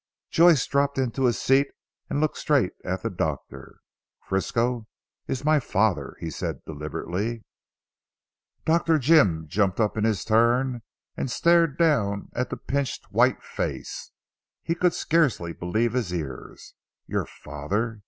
Joyce dropped into his seat and looked straight at the doctor. "Frisco is my father," he said deliberately. Dr. Jim jumped up in his turn and stared down at the pinched white face. He could scarcely believe his ears. "Your father?"